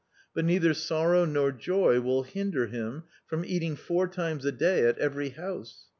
But neither sorrow nor joy will hinder him from eating four times a day at every house.